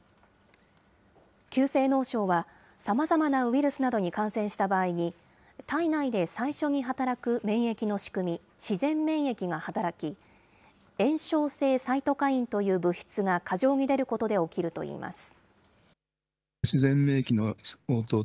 急性脳症はさまざまなウイルスなどに感染した場合に、体内で最初に働く免疫の仕組み、自然免疫が働き、炎症性サイトカインという物質が過剰に出ることで起きるといいます。